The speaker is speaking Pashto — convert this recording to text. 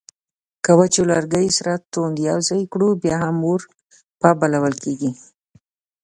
که وچو لرګیو سره توند یو ځای کړو بیا هم اور په بلول کیږي